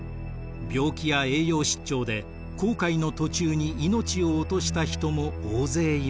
病気や栄養失調で航海の途中に命を落とした人も大勢いました。